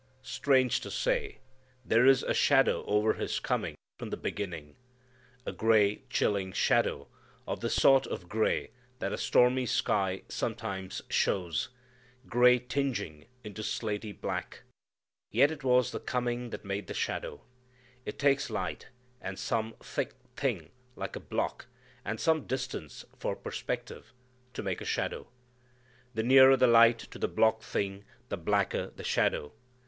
Strange to say, there is a shadow over His coming from the beginning. A gray chilling shadow of the sort of gray that a stormy sky sometimes shows, gray tingeing into slaty black. Yet it was the coming that made the shadow. It takes light, and some thick thing like a block, and some distance for perspective, to make a shadow. The nearer the light to the block thing the blacker the shadow.